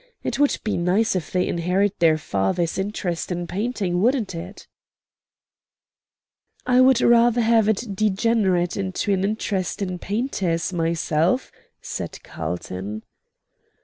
It would be nice if they inherit their father's interest in painting, wouldn't it?" "I would rather have it degenerate into an interest in painters myself," said Carlton.